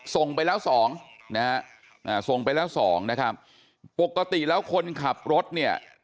ส่งไปแล้วสองนะฮะส่งไปแล้วสองนะครับปกติแล้วคนขับรถเนี่ย